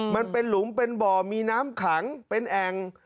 มันเป็นหลุมเป็นบ่อมีน้ำขังเป็นแอ่ง